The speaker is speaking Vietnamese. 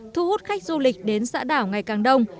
thu hút khách du lịch đến xã đảo ngày càng đông